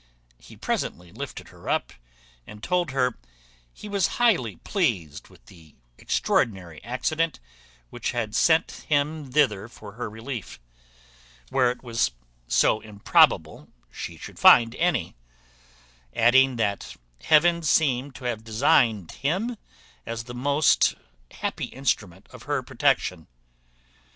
He presently lifted her up, and told her he was highly pleased with the extraordinary accident which had sent him thither for her relief, where it was so improbable she should find any; adding, that Heaven seemed to have designed him as the happy instrument of her protection.